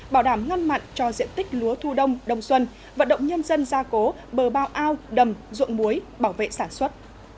bảo đảm ngăn mặn cho diện tích lúa thu đông đông xuân vận động nhân dân gia cố bờ bao ao đầm ruộng muối bảo vệ sản xuất